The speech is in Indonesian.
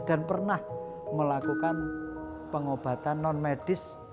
dan pernah melakukan pengobatan non medis